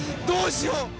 どうしよう。